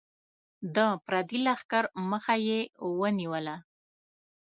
د پردي لښکر مخه یې ونیوله.